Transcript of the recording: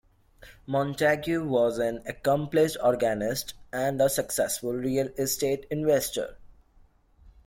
Montague was an accomplished organist and a successful real estate investor.